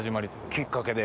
きっかけで。